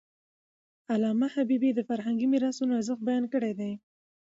علامه حبيبي د فرهنګي میراثونو ارزښت بیان کړی دی.